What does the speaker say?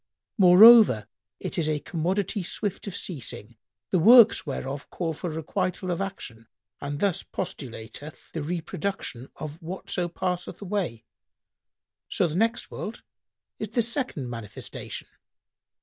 Moreover, it is a commodity swift of ceasing, the works whereof call for requital of action and this postulateth the reproduction[FN#101] of whatso passeth away; so the next world is the second manifestation."